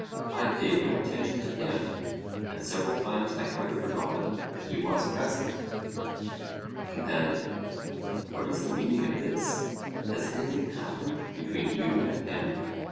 I paid no attention to him, and several times I quite forgot that he was present. COMPANION: What is the meaning of this? Has anything happened between you and him?